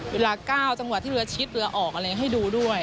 เวลา๙จังหวะที่เรือชิดเรือออกอะไรอย่างนี้ให้ดูด้วย